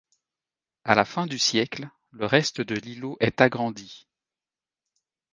A la fin du siècle, le reste de l'îlot est agrandi.